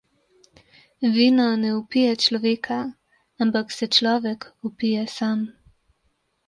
Vino ne opije človeka, ampak se človek opije sam.